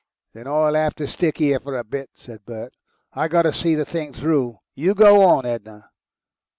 "Then I'll have to stick 'ere for a bit," said Bert. "I got to see the thing through. You go on, Edna."